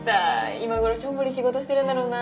今ごろしょんぼり仕事してるんだろうな